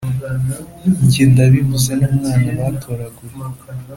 Njye ndabivuze numwana batoraguye